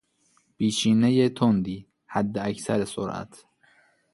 بیشینهی تندی، حداکثر سرعت